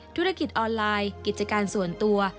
ธุรกิจออนไลน์กิจการส่วนตัว